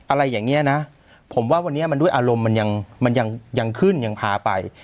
อะไรอย่างนี้นะผมว่าวันนี้มันด้วยอารมณ์มันยังมันยังขึ้นยังพาไป